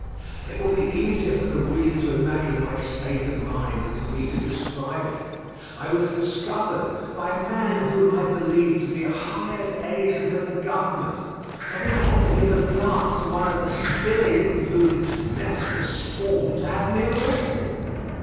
It will be easier for the reader to imagine my state of mind than for me to describe it. I was discovered by a man whom I believed to be a hired agent of the Government, who only had to give a glance to one of the sbirri with whom Mestre swarmed to have me arrested.